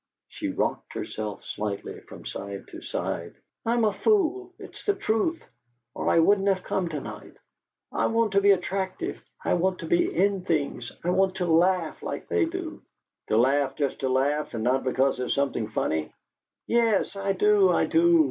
She rocked herself, slightly, from side to side. "I am a fool, it's the truth, or I wouldn't have come to night. I want to be attractive I want to be in things. I want to laugh like they do " "To laugh just to laugh, and not because there's something funny?" "Yes, I do, I do!